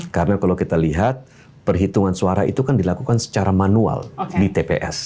karena kalau kita lihat perhitungan suara itu kan dilakukan secara manual di tps